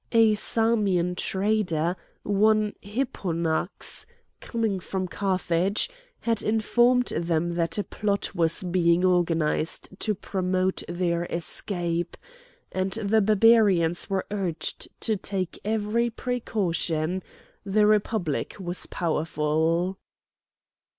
A Samian trader, one Hipponax, coming from Carthage, had informed them that a plot was being organised to promote their escape, and the Barbarians were urged to take every precaution; the Republic was powerful.